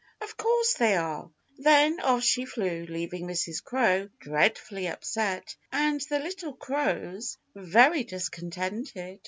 Of course they are!" Then off she flew, leaving Mrs. Crow dreadfully upset and the little crows very discontented.